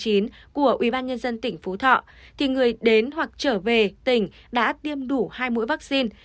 của ubnd tỉnh phú thọ thì người đến hoặc trở về tỉnh đã tiêm đủ hai mũi vaccine